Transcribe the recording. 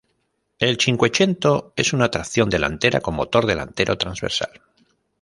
El Cinquecento es un tracción delantera con motor delantero transversal.